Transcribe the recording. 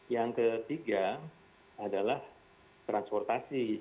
yang ketiga adalah transportasi